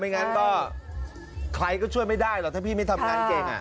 งั้นก็ใครก็ช่วยไม่ได้หรอกถ้าพี่ไม่ทำงานเก่ง